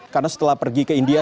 karena setelah pergi ke india